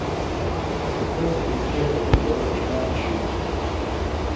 Postis gexedi do ma mçvi.